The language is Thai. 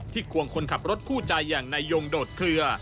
ควงคนขับรถคู่ใจอย่างนายยงโดดเคลือ